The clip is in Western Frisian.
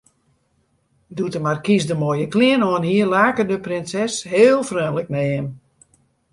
Doe't de markys de moaie klean oanhie, lake de prinses heel freonlik nei him.